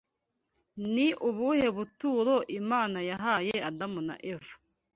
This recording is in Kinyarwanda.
ni ubuhe buturo Imana yahaye Adamu na Eva